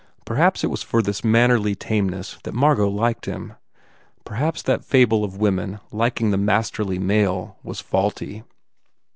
Perhaps it was for this mannerly tameness that Margot liked him. Perhaps that fable of women liking the masterly male was faulty.